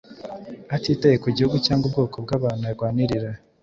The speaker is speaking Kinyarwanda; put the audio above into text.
atitaye ku gihugu cyangwa ubwoko bw’abantu arwanirira